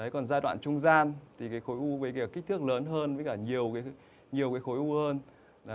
còn giai đoạn trung gian thì khối u với kích thước lớn hơn với nhiều khối u hơn